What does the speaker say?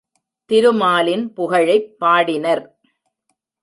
திருமாலின் புகழைப் பாடினர்.